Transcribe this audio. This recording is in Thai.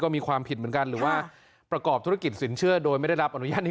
มีความผิดเหมือนกันหรือว่าประกอบธุรกิจสินเชื่อโดยไม่ได้รับอนุญาตนี้